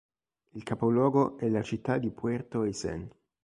Il capoluogo è la città di Puerto Aysén.